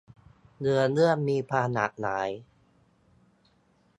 เนื้อเรื่องมีความหลากหลาย